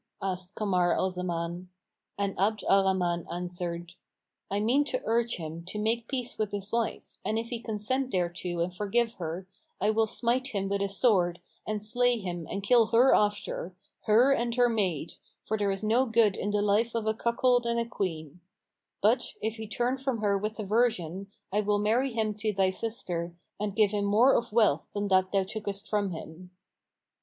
asked Kamar al Zaman; and Abd al Rahman answered, "I mean to urge him to make peace with his wife, and if he consent thereto and forgive her, I will smite him with a sword and slay him and kill her after, her and her maid, for there is no good in the life of a cuckold and a queen;[FN#466] but, if he turn from her with aversion I will marry him to thy sister and give him more of wealth than that thou tookest from him."